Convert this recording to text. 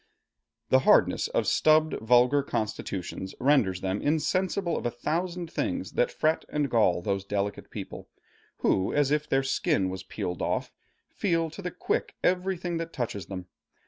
The hardness of stubbed vulgar constitutions renders them insensible of a thousand things that fret and gall those delicate people, who, as if their skin was peeled off, feel to the quick everything that touches them.